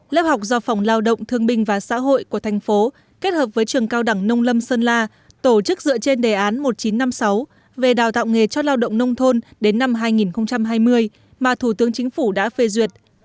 lớp học do phòng lao động thương binh và xã hội của thành phố kết hợp với trường cao đẳng nông lâm sơn la tổ chức dựa trên đề án một nghìn chín trăm năm mươi sáu về đào tạo nghề cho lao động nông thôn đến năm hai nghìn hai mươi mà thủ tướng chính phủ đã phê duyệt